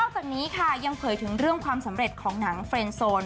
จากนี้ค่ะยังเผยถึงเรื่องความสำเร็จของหนังเฟรนโซน